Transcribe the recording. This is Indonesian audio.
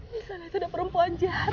di sana itu udah perempuan jahat